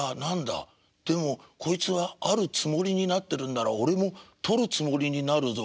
でもこいつはあるつもりになってるんなら俺もとるつもりになるぞ」。